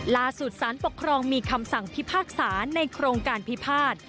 สารปกครองมีคำสั่งพิพากษาในโครงการพิพาท